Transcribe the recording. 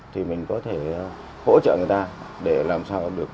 thì mình có thể hỗ trợ người ta để làm sao được